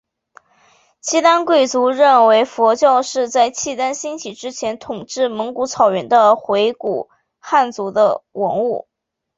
契丹贵族认为佛教是在契丹兴起之前统治蒙古草原的回鹘汗国的文化。